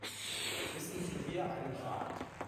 Wissen Sie hier einen Rat?